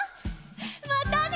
またね！